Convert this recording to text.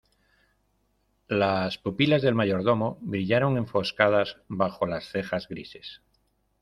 las pupilas del mayordomo brillaron enfoscadas bajo las cejas grises: